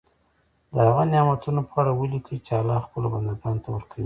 د هغه نعمتونو په اړه ولیکي چې الله خپلو بندګانو ته ورکوي.